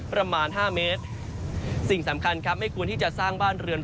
ประมาณห้าเมตรสิ่งสำคัญครับไม่ควรที่จะสร้างบ้านเรือน